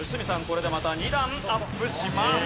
これでまた２段アップします。